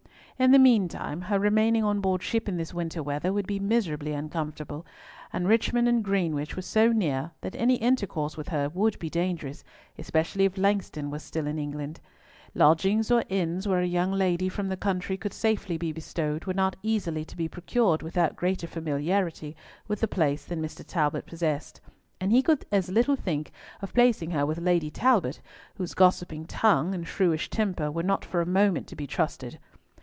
In the meantime her remaining on board ship in this winter weather would be miserably uncomfortable, and Richmond and Greenwich were so near that any intercourse with her would be dangerous, especially if Langston was still in England. Lodgings or inns where a young lady from the country could safely be bestowed were not easily to be procured without greater familiarity with the place than Mr. Talbot possessed, and he could as little think of placing her with Lady Talbot, whose gossiping tongue and shrewish temper were not for a moment to be trusted.